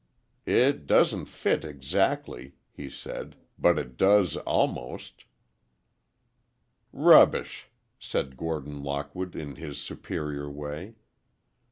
"It doesn't fit exactly," he said, "but it does almost." "Rubbish!" said Gordon Lockwood, in his superior way.